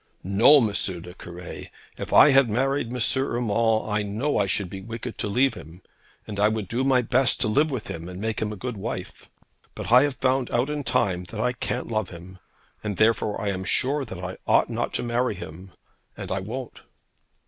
'No, M. le Cure. If I had married M. Urmand, I know I should be wicked to leave him, and I would do my best to live with him and make him a good wife. But I have found out in time that I can't love him; and therefore I am sure that I ought not to marry him, and I won't.'